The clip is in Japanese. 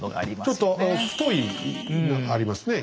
ちょっと太いのがありますね